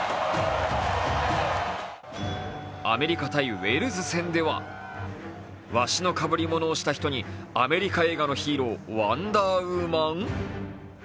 アメリカ×ウェールズ戦では、わしのかぶりものをした人にアメリカ映画のヒーローワンダーウーマン？